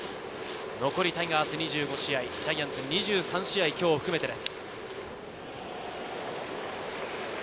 残りタイガース２５試合、ジャイアンツ２３試合、今日を含めてです。